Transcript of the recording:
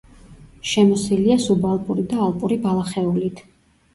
შემოსილია სუბალპური და ალპური ბალახეულით.